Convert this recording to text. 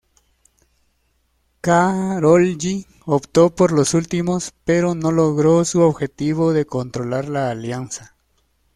Károlyi optó por los últimos, pero no logró su objetivo de controlar la alianza.